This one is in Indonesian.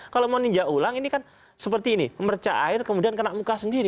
kalau mau ninjau ulang ini kan seperti ini merca air kemudian kena muka sendiri